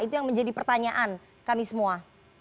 itu yang menjadi pertanyaan kami semua